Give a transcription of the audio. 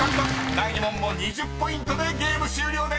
第２問も２０ポイントでゲーム終了です。